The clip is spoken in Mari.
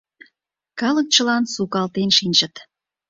Калык чылан сукалтен шинчыт.